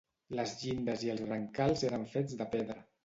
Les llindes i els brancals eren fets de pedra.